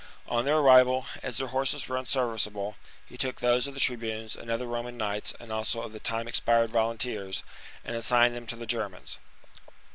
On their arrival, as their horses were unserviceable, he took those of the tribunes and other Roman knights and also of the time expired volunteers,^ and assigned them to the Germans.